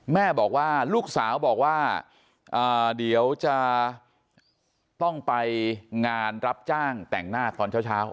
แม่บอกว่าลูกสาวบอกว่าเดี๋ยวจะต้องไปงานรับจ้างแต่งหน้าตอนเช้า